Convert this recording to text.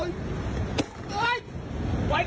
อันนี้ไม่ใช่ผม